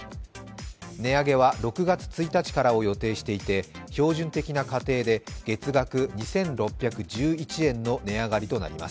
値上げは６月１日からを予定して、標準的な家庭から月額２６１１円の値上がりとなります。